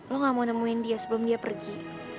lo gak mau nemuin dia sebelum dia pergi